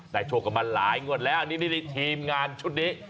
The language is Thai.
โชคกันมาหลายงวดแล้วนี่ทีมงานชุดนี้